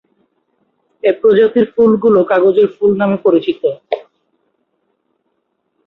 এ প্রজাতির ফুলগুলো "কাগজের ফুল" নামে পরিচিত।